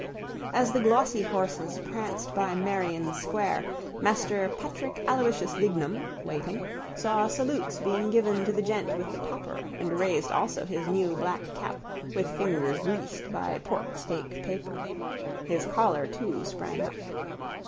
As the glossy horses pranced by Merrion square Master Patrick Aloysius Dignam, waiting, saw salutes being given to the gent with the topper and raised also his new black cap with fingers greased by porksteak paper. His collar too sprang up.